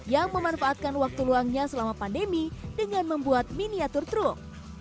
yang memanfaatkan waktu luangnya selama pandemi dengan membuat miniatur truk